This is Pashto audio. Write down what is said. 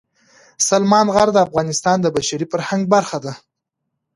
سلیمان غر د افغانستان د بشري فرهنګ برخه ده.